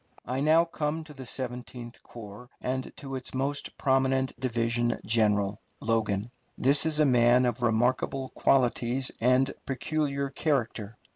I now come to the Seventeenth Corps and to its most prominent division general, Logan. This is a man of remarkable qualities and peculiar character.